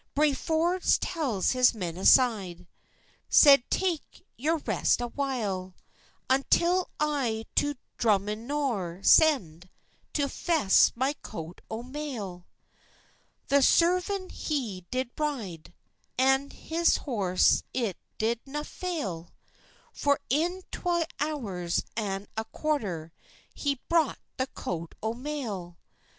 Brave Forbës drew his men aside, Said, "Tak your rest a while, Until I to Drumminnor send, To fess my coat o mail." The servan he did ride, An his horse it did na fail, For in twa hours an a quarter He brocht the coat o mail.